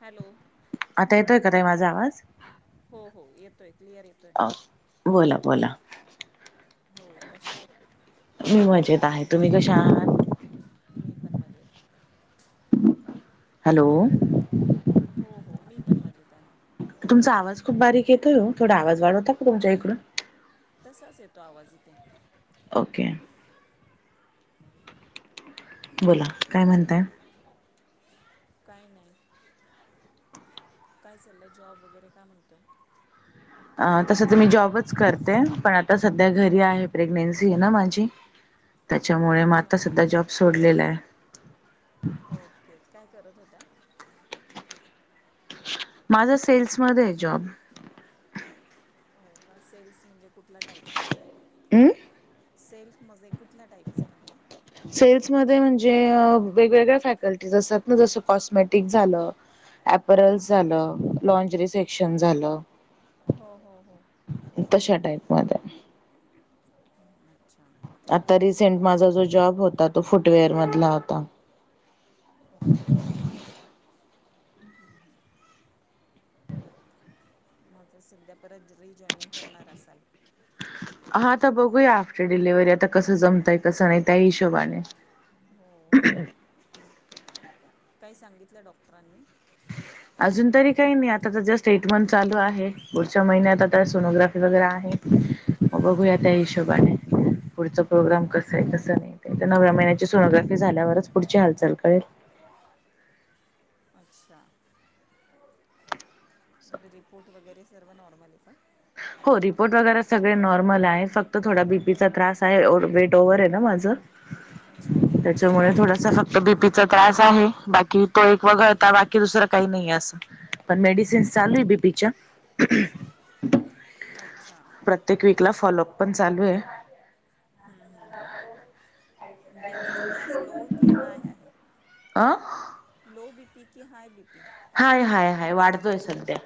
Hello आता येतोय ताई माझा आवाज हो हो येतोय क्लिअर येतोय आ बोला बोला हो कशात हो मजेत आहे तुम्ही कशा आहात मी पण मजेत हॅलो हो हो मी पण मजेत आहे तुमचा आवाज खूप बारीक येतोय वो थोडा आवाज वाढवता का तुमच्याइकडून तसाच येतो आवाज इथे ओके बोला काय म्हणताय काय नाय काय चाललंय जॉब वगैरे काय म्हणतोय अ तसं तर मी जॉबच करते पण आता सध्या घरी आहे प्रेग्नेन्सी आहे ना माझी त्याच्यामुळे म आता अच्छा संध्या जॉब सोडलेला हाय त काय करत होता माझा सेल्समध्ये हाय जॉब हो का सेल्स म्हणजे कुठल्या टाईपचा हं [inaudible] सेल्फमध्ये कुठल्या टाईपचं म्हटलं सेल्समध्ये म्हणजे वेगवेगळ्या फॅकल्टीज असतात ना जसं कॉस्मेटिक झालं ॲपरल्स ओके झालं लॉन्जरी सेक्शन झालं हो हो हो तशा टाईप मध्ये हम्म, अच्छा आता रिसेंट माझा जो जॉब होता तो फुटवेअर मधला होता. ओके नाही [inaudible] माझं सध्या परत रि जॉईनिंग करणार असाल हा आता बघूया डिलिव्हरी आता कसं जमतय कसं नाय त्या हिशोबाने हो काय सांगितलं डॉक्टरांनी अजून तरी काय नाय आता त्याज्यच स्टेटमं चालू आहे पुढच्या महिन्यात आता सोनोग्राफी वगैरे आहे मग बघुया त्या हशोबाने पुढचा ठीक आहे मी प्रोग्राम कॉल कस हाय करते कसं नाय ते तर नव्या महिन्याची सोनोग्राफी झाल्यावरच पुढची हालचाल कळेल अच्छा त्येजे रिपोर्ट वगैरे सर्व नॉर्मल हाय का हो रिपोर्ट वगैरे सगळे नॉर्मल हाय फक्त थोडा बीपीचा त्रास हाय वेट ओव्हर हाय ना माझं अच्छा लो बी त्याच्यामुळे लो थोडासा फक्त की बी पी हाय चा त्रास आहे. बाकी तो एक वगळता बाकी दुसर काही नाही अस पण मेडिसिन चालू आहे. बी पी च्या [inaudible] अच्छा. प्रत्येक वीकला फॉलोअप पण चालू आहे. हम्म - हम्म -हम्म. बी पी चा त्रास लो कि हाय आहे? आं? लो बी पी की हाय बी पी? हाय -हाय -हाय वाढतोय सध्या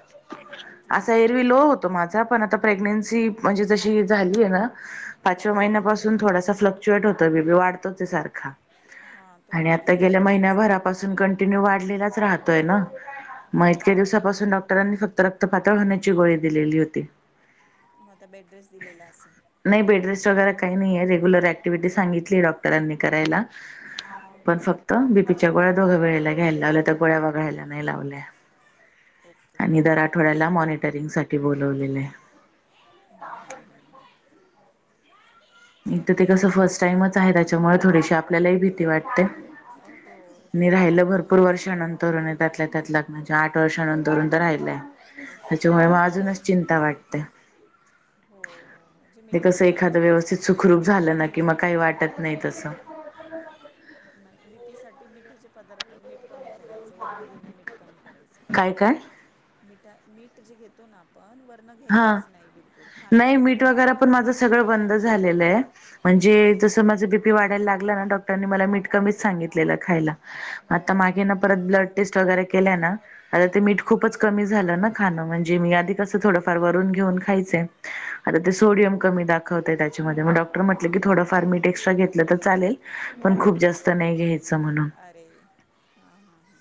हां ठीक असा आहे मग एरवी लो तो- होतो माझा पण आता प्रेग्नेंसी म्हणजे तशी झाली आहे ना पाचवा महिना हो पासून अजून थोडासा फ्लक्चुएट होतोय बी पी वाढतोचे सारखा हां तो आणि आत्ता वाढलेला गेल्या ठीक असतो महिन्याभरापासून अजून कंटिन्यू वाढलेलाच राहतोय ना मग हो इतक्या हो दिवसापासून डॉक्टरांनी फक्त रक्तपातळ होण्याची गोळी दिलेली होती. आता बेड रेस्ट दिलेला असेल? नाही बेड रेस्ट वगैरे काही नाही आहे रेग्युलर ऍक्टिव्हटी सांगितली डॉक्टांनी करायला हां हां पण फक्त बी पी च्या गोळ्या दोघं वेळेला घ्यायला लावल्या तर गोळ्या वगळायला नाही लावल्या ओके आणि दर आठवड्याला मॉनिटरिंग साठी बोलवलेलं आहे. एक तर ते चालेल कसं समजायचं फर्स्ट टाइमच आहे. त्याच्यामुळे थोडीशी आपल्यालाही भीती वाटते. अं, हो ते तर राहिलं असतंच भरपूर वर्ष लग्नाच्या नंतर तरुण आहे त्यातलं त्यात लग्नाच्या आठ वर्षषणून तरुण तर राहिलंय. ओके त्याच्यामुळे मग अजूनच चिंता वाटते. हो -हो जे ते कसं मिठाचे एखादं पदार्थ व्यवस्थित असतात ना सुखरूप मीठ झालं ना कमी की मग गेला काही पाहिजे वाटत नाही तसं. नाही बी पी साठी मिठीचे पदार्थ मीठ कमी करायच वर मीठ कमी काय काय? करायच मीठ जे घेतो ना आप पण वर्ण हा घ्यायचच नाही बिलकुल नाही खाण्याचे मीठ पदार्थ वगैरे पण माझं सगळं बंद झालेलं आहे. हो म्हणजे जसं माझं बी पी वाढायला लागलं ना डॉक्टरांनी मला मीठ कमीच सांगितलेलं खायला. मग हो आता मागे ना परत ब्लट टेस्ट वगैरे केल्या ना आता ते मी खूपच कमी झालं ना खाना म्हणजे मी आधी कसं थोडं फार भरून घेऊन खायचं आता ते सोडियम कमी दाखवता ते त्याच्यामध्ये म डॉक्टर म्हटले की थोडाफार नीट एक्स्ट्रा घेतलं तर चालेल पण खूप जास्त नाही घ्यायचं म्हणून. अरे हां -हां -हां.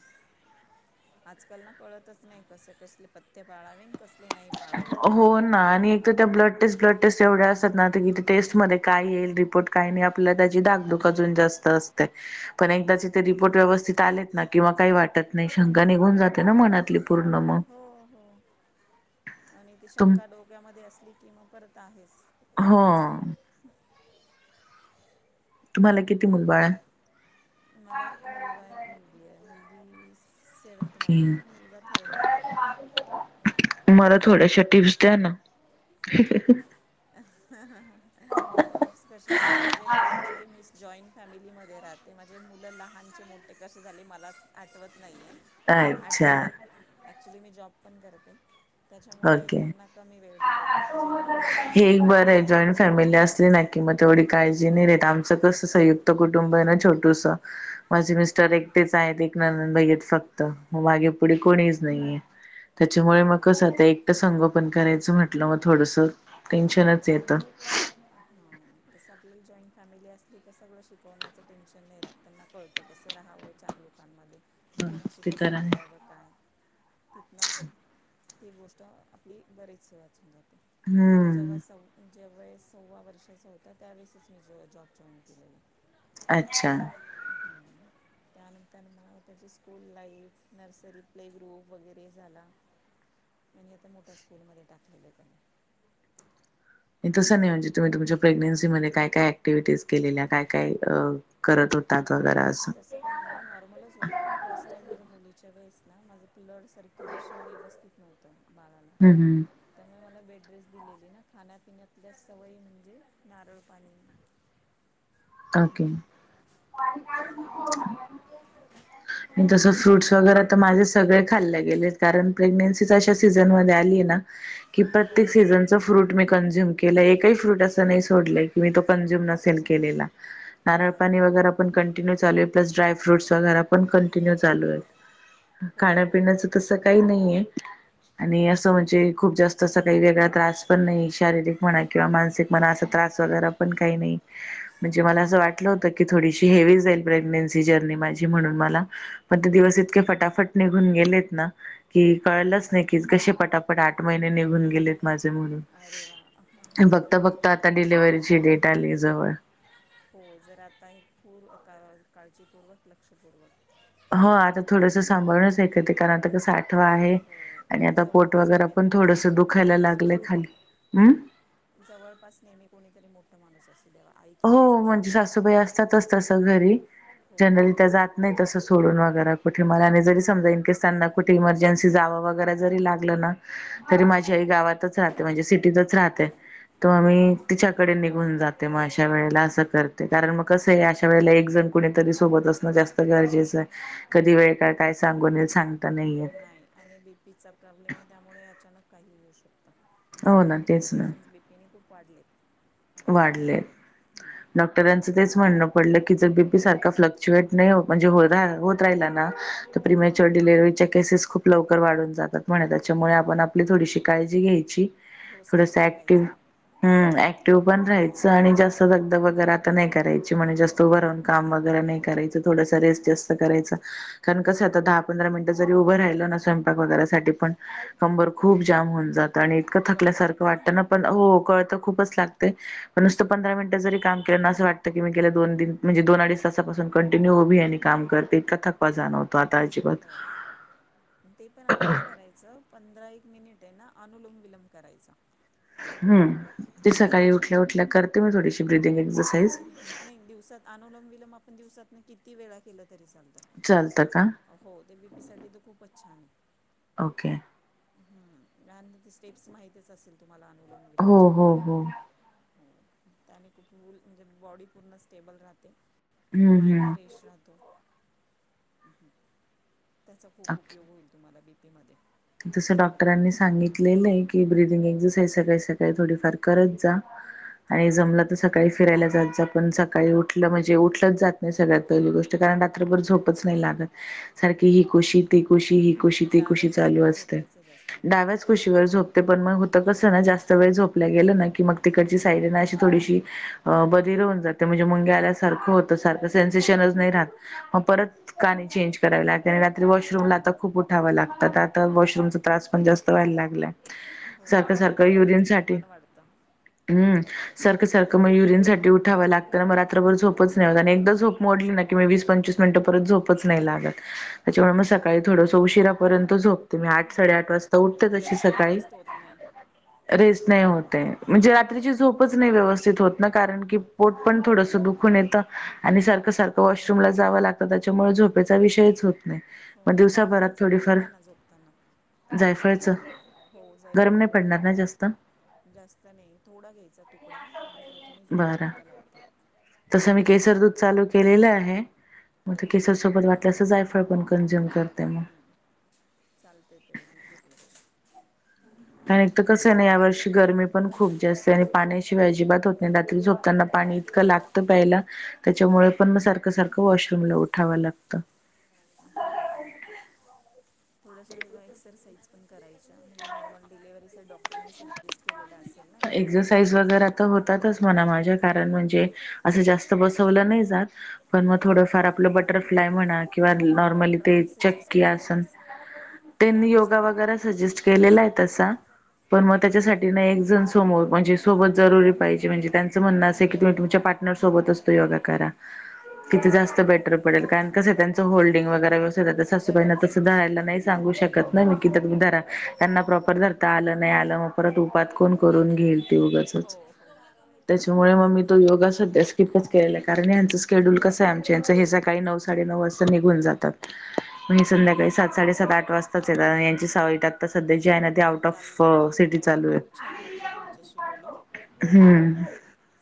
आजकाल ना कळतच नाही कस कसले पथ्य पाळावीन कसली नाही. पाळावे हो ना आणि तर त्या ब्लड टेस्ट- ब्लड टेस्ट एवढ्या असत ना तर कि ते टेस्टमध्ये काय येईल रिपोर्ट काय नाही आपल्या त्याची धाकधूक अजून जास्त असते पण एकदाचे हो ते रिपोर्ट पोट व्यवस्थित आलेत ना किंवा काही वाटत नाही शंका निघून जाते ना मनातली पूर्ण मग. हो- हो आणि ती तुम शंका डोक्यामध्ये असली की मग परत आहेस. हम्म. तुम्हाला किती मुलबाळ बाकी आहे मला एक मुलगा एक मुलगी आहे मुलगी सेवनंतमध्ये ओके मुलगा थर्डमध्ये. [inaudible] मला थोड्याशा टिप्स द्या ना. टिप्स कशा दि म्हजे मा एक्च्युली मीस जॉईन फॅमिलीमध्ये राहते माझे मुलं लहानचे मोठे कसे झाले मला आठवत नाही आहे. अच्छा आठवतात ॲक्च्युली मी जॉब पण करते. त्याच्यामुळे ओके त्यांना कमी वेळ दिलेला जेव्हा माझ हे एक बर आहे जॉईंट फॅम फॅमिली असली ना कि म तेवढी काळजी नाही र आमचं कस संयुक्त कुटुंब आहे ना छोटूस माझे मिस्टर एकटेच आहेत एक नंदंद भाई आहेत फक्त मागे पुढे कोणीच नाहीये. हो त्याच्यामुळे मग कस एकट संगो पण करायचं म्हटलं मग थोडस टेन्शनच येतं. हा. त स आपली जॉईंट फॅमिली असली तर सगळं शिकवण्याचं टेन्शन नाही राहत त्यांना कळतं कसं राहावं. चार लोकांमध्ये कोणाशी ते तर कसं आहे बोलावं काय. तिथना ती गोष्ट आपली बरीेचसे वाचून जातो. हम. तो जव्हा सव्वा जेव सव्वा वर्षाचा होत. आता त्यावेळेसच मी जॉब जॉईन केलेला आहे. अच्छा. हम्म. त्यानंतर मग त्याची school life nursery play group वगैरे झाला. आणि आता मोठ्या स्कूलमध्ये टाकलेलं आहे त्यांनी तसं नाही म्हणजे तुम्ही तुमच्या प्रेग्नेन्सीमध्ये काय काय ऍक्टिव्हिटीज केलेल्या काय काय? करत होतात वगैरे ऍक्टिव्हटीज असं तस काही नाही नॉर्मलच होतं पण फर्स्ट टाईम मला मुलीच्या वेळेस ना माझं ब्लड सर्क्युलेशन व्यवस्थित नव्हतं बाळाला. हं हं. त्यामुळे मला बेडरेसट दिलेले ना खाण्यापिण्यातल्या सवयी म्हणजे नारळ पाणी ओके. पाच मिनिट बाकी झाला तस फ्रूट्स नारळ वगैरे तर पाणी माझे सगळं खाल्लं गेलंय कारण प्रेग्नेंसी अशा सीझनमध्ये आली आहे ना की हो प्रत्येक सीजन फ्रूट मी कंझ्युम केला एकही फ्रूट अस नाही सोडलंय की मी तो कंझ्युम नसेल केलेला. नारळ अरे पाणी वगैरे पण कंटिन्यू चालू आहे प्लस ड्राय फ्रूट्स वगैरे पण कंटिन्यू चालू आहेत हो हो हो खाण्यापिण्याचं तसं काही नाहीये. आणि असं म्हणजे खूप जास्त अस काही वेगळा त्रास पण नाही शारीरिक म्हणा किंवा मानसिक. म अस त्रास वगैरे पण काही नाही म्हणजे मला असं हां वाटलं होत. की थोडीशी हेवी जाईल प्रेग्नेन्सी जर्नी माझी म्हणून मला पण ते दिवस इतके फटाफट निघून गेलेत ना. कि कळलंच नाही की कसे पटापट आठ महिने निघून गेले. माझे अरे वा हां हां हां म्हणून बघता बघता आता डिलव्हची डेट आली जवळ. हो जर आता हे पूर का काळजीपूर्वक लक्षपूर्वक हो आता थोडंसं सांभाळूनच ऐक ते कारण आता का आठ आहे हो आणि आता पोट जवळपास वगैरे पण कोणीतरी थोडस नेहमी मोठा दुखायला माणूस लागलंय असो खाली हम. जवळपास नेहमी कोणीतरी मोठा माणूस असू देवा हो म्हणजे सासूबाई असतातच तसं घरी. हो जनरली त्या जात नाही तसं सोडून वगैरे कुठे मला आणि जरी हां समजा इनकेस त्यांना कुठे इमर्जन्सी जावं वगैरे जरी लागलं ना तरी माझ्या आई गावातच राहते, म्हणजे सिटीतच राहते. तो आम्ही तिच्याकडे निघून जाते, मग अशा वेळेला असं करते, हो कारण मग कसं हो त्यावेळेला एकजण कुणी तरी सोबत असण जास्त गरजेचं आहे, कधी वेळ का काय सांगुन सांग नाही आणि बी पी चा प्रॉब्लेम आहे, त्यामुळे अचानक काहीही होऊ शकतं. आणि हो सध्या ना तेच कॉम्प्लिकेशनस बी पी‌ ने खूप वाढले. वाढले. डॉक्टरांचं तेच म्हणणं पडलं की, जर बी पी सारखं फ्लक्च्युएट नाही म्हणजे होत [unintelligible] हां लवकर वाढून जातात, म्हणे त्याच्यामुळे आपण आपली थोडीशी काळजी घ्यायची. हो थोडस स्टेबल ऍक्टिव राहायचं हम्म एँक तू पण राहायचं आणि जास्त दगदग वगैर आता नाही करायची, म्हणजे जास्त उभं राहून काम वगैरे नाही करायच. थोडासा रेस्ट जास्त करायचा. कारण, कसं आता दहा, पंधरा मिनिटं जरी उभं राहिल ना, स्वयंपाक वगैरेसाठी पण कंबर खूप जाम होऊन जात आणि इतकं कळ थकल्यासारखं लागते वाटतं ना, पण हो कळत खूपच लाग ते. नुसत पंधरा मिनटं जरी काम केलं ना, असं वाटतं की, मी गेल्या दोन, तीन म्हणजे दोन, अडीच तासापासून कंटिन्यू उभी आहे आणि काम कर [unintelligible] इतका जाणवतो आता अजिबात हो, ते पण आणि काय करायचं पंधरा एक मिनिट आहे ना, अनुलोम विलंब करायच. हं, ते सकाळी त्याच्या उठल्या, उठल्या करते मी थोडीशी ब्रिदिंग एक्सरसा नाही, दिवसात अनुलंम विलम आपण दिवसातन किती वेळा केलं तरी चालत. चालतं का हो, ते बीपी साठी तर खूपच छान. ओके. हम्म. लहान म्हणजे स्टेप्स माहितीच असेल तुम्हाला अनुलोम हो विलमच्या? हो हो आणि खूप मूल म्हणजे, बॉडी पूर्ण स्टेबल राहते. हम्म माइंड हम्म फ्रेश राहतो. [unintelligible] त्याचा खूप ओके उपयोग होईल तुम्हाला बीपीमध्ये. तसं डॉक्टरांनी सांगितलेलं आहे की, ब्रिदिंग एक्झरसाइज सकाळी, सकाळी थोडीफार करत जा. आणि जमलं तर सकाळी फिरायला जात जा, पण सकाळी उठलं म्हणजे उठलं जात सगळ्यात पहिली गोष्ट कारण रात्रभर झोपच नाही लागत, सारखी ही कुशी, ती कुशी, ही कुशी, ती डाव्या कुशी चालू कुशीवर असत. झोपायचं जास्त म्हणूनच कुशीवर झोपते, पण होत कस ना, जास्त वेळ झोपली गेलं ना, की तिकडची साइड ना अशी थोडीशी अ बदिर होऊन जात, म्हणजे मुंगे आल्यासारखं होतं, हो सारखं हो सेन्सेशनच हो नाही राहत. मग परत काणी चेंज करावे लागते आणि रात्री वॉशरूमला आता खूप उठावं लागत. त. वॉशरूमचा त्रास पण जास्त व्हायला लागला. हो सारखं, वाढते सारखं युरिन वेरियनचं साठी प्रमाण वाढतं हम्म, सारखं, सारखं मग युरिनसाठी उठावं लागत ना, मग रात्रभर झोपच नाही होत आणि एकदा झोप मोडली ना की, वीस, पंचवीस मिनिटं परत झोपच नाही लागत. त्याच्यामुळे मग सकाळी थोडसं उशिरापर्यंत झोपते, मी आठ, साडे आठ वाजता तर उठते तशी व्यवस्थित सकाळी. रेस्ट होत नाही रेस्ट नाही होतय, म्हणजे हो रात्रीची हो झोपच नाही व्यवस्थित होत कारण की, पोट पण थोडस दुखून येतं आणि सारखं, सारखं वॉशरूमला जावं लाग त. त्याच्यामुळे झोपेचा विषयच होत नाही, मग हो दिवसाभरात जायफळचं दूध थोडीफार घ्या ना झोपताना जायफळचं. हो जायफळ गरम नाही उगाळुन पडणार ना जास्त दयायचं. जास्त नाही थोडा घ्यायचा तुकडा आणि त्याच्याने झोप बरं. शांत लागते. तसं मी केसर दूध चालू केलेलं आहे हो मग केसर सोबत वाटल्या असं जायफळ पण कंझ्यूम करत. हम्म चालतयं तरी दूध घेतली तरी. आणि तर कसं आहे नाही या वर्षी गरमी पण खूप जास्त आणि पाण्याची अजिबात होत नाही रात्री झोपताना पाणी क लागतं प्यायला त्याच्यामुळे पण म सारखं - सारखं वॉशरूम ला उठाव लागतं. हो हो थोडसं एक्सरसाइज? पण करायच्या म्हणजे नॉर्मल डिलेव्हरीचा डॉक्टरनी सजेस्ट केलेला असेल ना त्या वाल्या घरात होतातच म माझे कारण म्हण ते असे जास्त बसवलं नाही जात. पण मग हम्म. थोडं फार आपलं बटरफ्लाय म्हणा की नॉर्मली ते डॉक्टरांनी सजेस्ट चक्की केलेलं आसन असेल ते मी योगा त्यानुसार घ्या वगैरे सजेस्ट केलं. दिलेला आहे तसा पण हो त्याच्यासाठी. एक जण समोर म्हणजे सोबत जरुरी पाहिजे त्यांचं म्हणणं असं की तुम्ही तुमच्या पार्टनर सोबत असतो योगा करा. किती जास्त बेटर पडेल कारण कसं त्यांचं होल्डिंग वगैरे व्यवस्थित तर अंडर सासूबाईंना तसं ऑब्झर्वेशन धरायला आणि नाही हो हो सांगू शकत. नाही मकी तर तुही धरा त्यांना प्रॉपर धरता आलं नाही आलं मग. परत उपात कोण करून काहीतरी घेईल ते लिहायला दिलं हो, उगाचंच वगैरे हो. शिकवलं का मग त्याच्यामुळे शांत मग मी तो बसतात. योगासध्याच तिपच केलं कारण यांचं स्केड्यूल कसं आहे आमच्या यांचं हे सकाळी नऊ साडेनऊ वाजता निघून जातात. म्हणजे हो संध्याकाळी सात साडेसात आठ वाजताच येत यांची सावळी टात सध्या जे आहे ना ते ओके आउट ऑफ चालेल सिटी धन्यवाद चालू आहे. खूप छान वाटलं तुमच्याशी बोलून हम्म,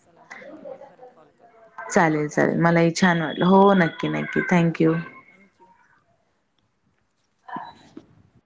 चला ठेवते मी परत कॉल करू. ठीक आहे चालेल काळजी चालेल घ्या मलाही छान वाटलं हो नक्की नक्की धन्यवाद थँक्यू. थँक्यू. ह.